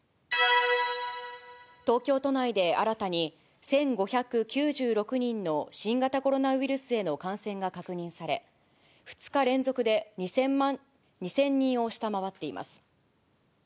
東京都内で新たに１５９６人の新型コロナウイルスへの感染が確認され、２日連続で２０００人を下回っています。